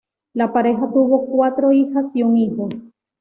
La pareja tuvo cuatro hijas y un hijo.